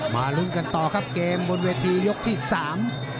ลุ้นกันต่อครับเกมบนเวทียกที่สาม